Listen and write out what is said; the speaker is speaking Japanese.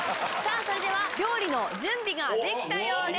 それでは料理の準備ができたようです。